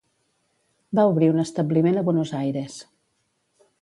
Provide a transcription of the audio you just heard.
Va obrir un establiment a Buenos Aires.